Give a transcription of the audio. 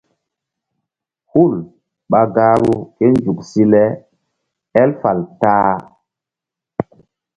Hul ɓa gahru ké nzuk si le él fal ta-a.